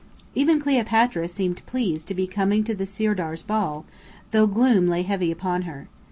Even Cleopatra seemed pleased to be coming to the Sirdar's ball, though gloom lay heavy upon her.